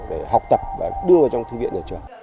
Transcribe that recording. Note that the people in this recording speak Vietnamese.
để học tập và đưa vào trong thư viện